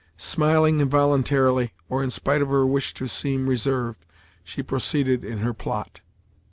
Smiling involuntarily, or in spite of her wish to seem reserved, she proceeded in her plot.